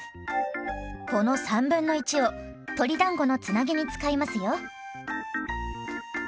この1/3を鶏だんごのつなぎに使いますよ。